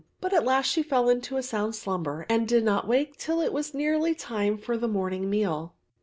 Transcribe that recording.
But at last she fell into a sound slumber and did not wake till it was nearly time for the morning meal.